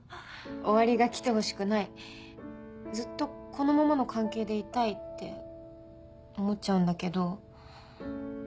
終わりが来てほしくないずっとこのままの関係でいたいって思っちゃうんだけど。